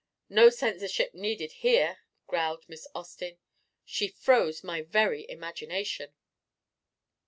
"No censorship needed here," growled Miss Austin. "She froze my very imagination."